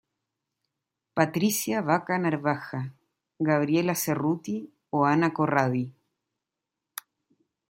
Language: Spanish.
Patricia Vaca Narvaja, Gabriela Cerruti, o Ana Corradi.